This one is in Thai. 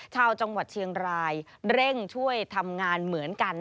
ชาวจังหวัดเชียงรายเร่งช่วยทำงานเหมือนกัน